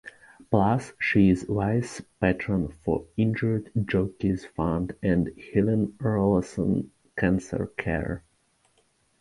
Plus she is Vice-Patron for Injured Jockeys Fund and Helen Rollason Cancer Care.